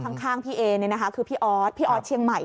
ข้างพี่เอเนี่ยนะคะคือพี่ออสพี่ออสเชียงใหม่